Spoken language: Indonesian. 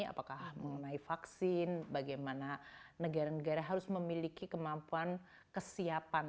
apakah mengenai vaksin bagaimana negara negara harus memiliki kemampuan kesiapan